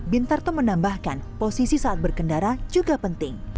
pintar toagung menambahkan posisi saat berkendara juga penting